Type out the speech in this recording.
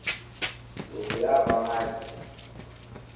Nguku yavaa maghi.